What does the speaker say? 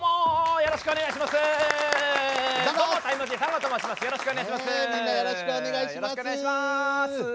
よろしくお願いします。